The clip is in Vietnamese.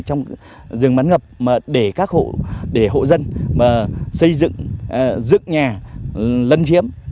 trong rừng bán ngập để hộ dân xây dựng dựng nhà lân chiếm